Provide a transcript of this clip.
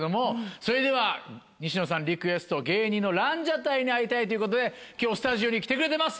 それでは西野さんリクエスト芸人のランジャタイに会いたいということで今日スタジオに来てくれてます